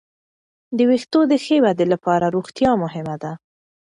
د وېښتو د ښې ودې لپاره روغتیا مهمه ده.